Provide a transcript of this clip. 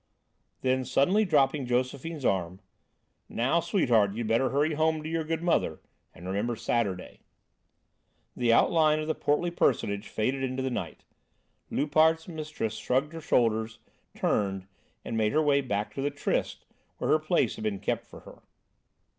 Then suddenly dropping Josephine's arm: "Now, sweetheart, you'd better hurry home to your good mother, and remember Saturday." The outline of the portly personage faded into the night. Loupart's mistress shrugged her shoulders, turned, and made her way back to the "Tryst," where her place had been kept for her.